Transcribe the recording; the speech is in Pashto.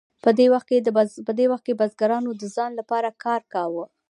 په دې وخت کې بزګرانو د ځان لپاره کار کاوه.